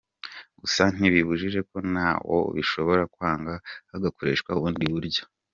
Gusa ntibibujije ko nawo bishobora kwanga hagakoresha ubundi buryo.